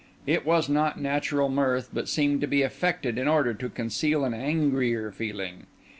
It was not natural mirth, but seemed to be affected in order to conceal an angrier feeling.